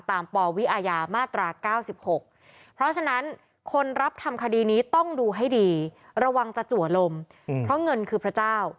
ปวิอาญามาตรา๙๖เพราะฉะนั้นคนรับทำคดีนี้ต้องดูให้ดีระวังจะจัวลมเพราะเงินคือพระเจ้า